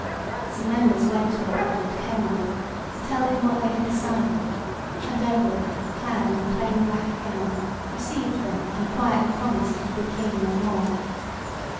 Some members went to Edward at Kenilworth to tell him what they had decided, and Edward clad in a plain black gown, received them and quietly promised to be king no more.